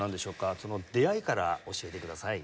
その出会いから教えてください。